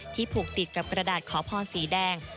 ผูกติดกับกระดาษขอพรสีแดง